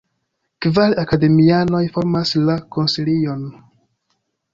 Kvar akademianoj formas la konsilion.